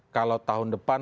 kalau tahun depan